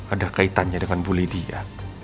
ada kaitannya dengan bu lydia